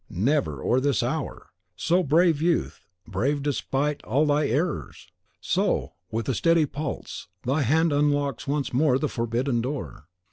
Never, or this hour! So, brave youth, brave despite all thy errors, so, with a steady pulse, thy hand unlocks once more the forbidden door.